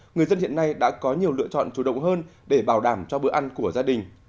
người dân hiện nay đã có nhiều lựa chọn chủ động hơn để bảo đảm cho bữa ăn của gia đình